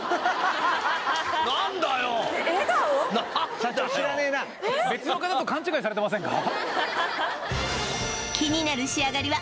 社長知らねえな別の方と勘違いされてませんか？